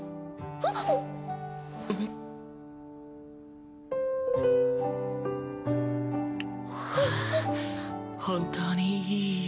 ああ本当にいい夢。